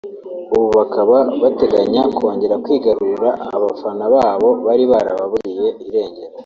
ubu bakaba bateganya kongera kwigarurira abafana babo bari barababuriye irengero